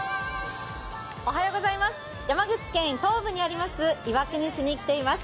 山口県東部にあります岩国市に来ています。